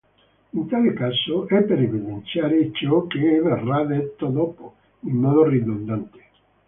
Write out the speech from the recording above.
In tale caso è per evidenziare ciò che verrà detto dopo, in modo ridondante.